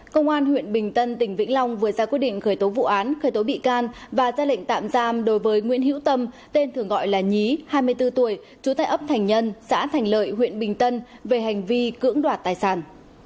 công an huyện bình tân tỉnh vĩnh long vừa ra quyết định khởi tố vụ án khởi tố bị can và ra lệnh tạm giam đối với nguyễn hữu tâm tên thường gọi là nhí hai mươi bốn tuổi trú tại ấp thành nhân xã thành lợi huyện bình tân về hành vi cưỡng đoạt tài sản